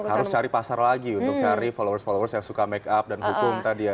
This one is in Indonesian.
harus cari pasar lagi untuk cari followers followers yang suka make up dan hukum tadi ya